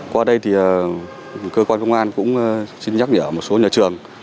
qua đây thì cơ quan công an cũng xin nhắc nhở một số nhà trường